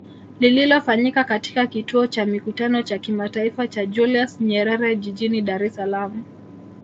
Lililofanyika katika kituo cha Mikutano cha Kimataifa cha Julius Nyerere jijini Dar es Salaam